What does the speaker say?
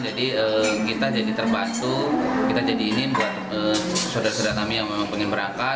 jadi kita jadi terbantu kita jadi ini buat saudara saudara kami yang memang pengen berangkat